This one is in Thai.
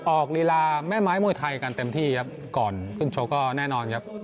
ลีลาแม่ไม้มวยไทยกันเต็มที่ครับก่อนขึ้นชกก็แน่นอนครับ